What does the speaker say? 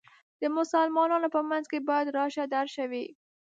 د مسلمانانو په منځ کې باید راشه درشه وي.